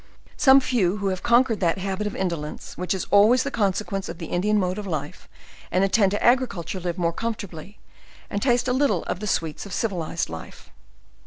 Some few who have conquered that habit of indolence, which is always the consequence of the Indian mode of life; and attend to agriculture, live more comfortably, and taste a lit tle of the sweets of civilized life.